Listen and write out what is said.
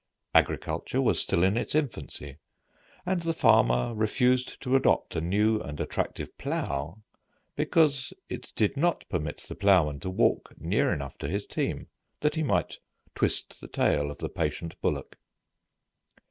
Agriculture was still in its infancy, and the farmer refused to adopt a new and attractive plough because it did not permit the ploughman to walk near enough to his team, that he might twist the tail of the patient bullock.